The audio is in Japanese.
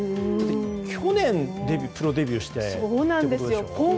去年プロデビューしてということでしょう。